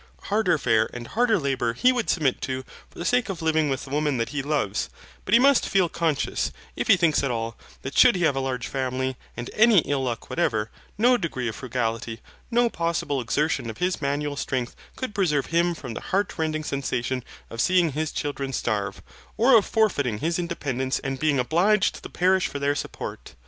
Harder fare and harder labour he would submit to for the sake of living with the woman that he loves, but he must feel conscious, if he thinks at all, that should he have a large family, and any ill luck whatever, no degree of frugality, no possible exertion of his manual strength could preserve him from the heart rending sensation of seeing his children starve, or of forfeiting his independence, and being obliged to the parish for their support.